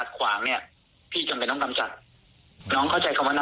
แต่ผิดจำเป็นที่ต้องทำนะ